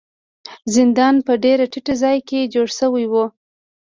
زندان په ډیر ټیټ ځای کې جوړ شوی و.